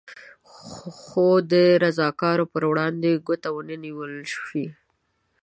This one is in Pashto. خو د رضاکارو پر وړاندې ګوته ونه نېول شي.